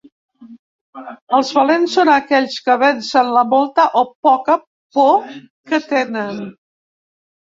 Els valents són aquells que vencen la molta o poca por que tenen .